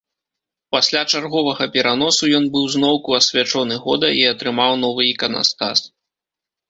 Пасля чарговага пераносу, ён быў зноўку асвячоны года і атрымаў новы іканастас.